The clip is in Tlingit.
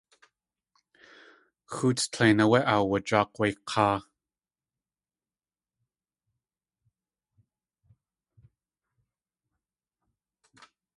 Xóots tlein áwé aawaják̲ wé k̲áa.